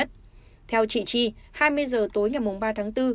theo chị chi hai mươi giờ tối ngày ba tháng bốn